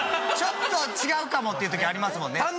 ちょっと違うかもっていう時ありますもんね。